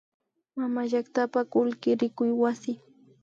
Mamallaktapa kullki rikuy wasi